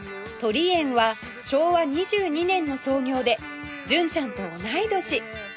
鳥園は昭和２２年の創業で純ちゃんと同い年